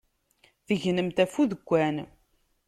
Tegnemt ɣef udekkan.